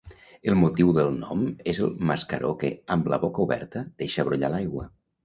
El motiu del nom és el mascaró que, amb la boca oberta, deixa brollar l'aigua.